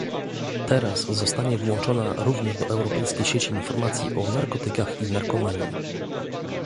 Teraz zostanie włączona również do Europejskiej Sieci Informacji o Narkotykach i Narkomanii